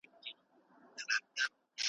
هر ځل هڅه وکړئ چې ښه شئ.